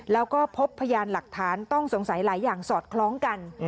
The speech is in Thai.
แล้วก็พบพยานหลักฐานต้องสงสัยหลายอย่างสอดคล้องกัน